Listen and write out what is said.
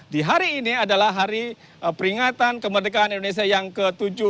di hari ini adalah hari peringatan kemerdekaan indonesia yang ke tujuh puluh tujuh